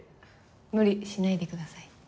無理しないでください。